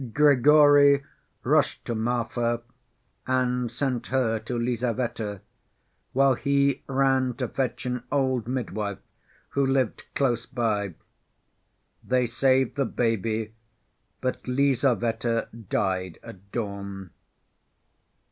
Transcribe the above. Grigory rushed to Marfa and sent her to Lizaveta, while he ran to fetch an old midwife who lived close by. They saved the baby, but Lizaveta died at dawn.